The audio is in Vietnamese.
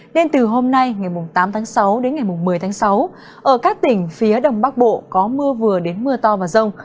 nên từ hôm nay ngày tám một mươi tháng sáu ở các tỉnh phía đồng bắc bộ có mưa vừa đến mưa to và rông